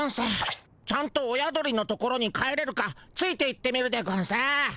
ちゃんと親鳥の所に帰れるかついていってみるでゴンス。